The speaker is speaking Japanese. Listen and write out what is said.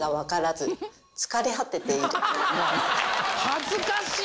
恥ずかしい！